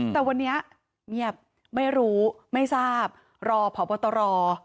แต่วันนี้เงียบไม่รู้ไม่ทราบรอผอบตร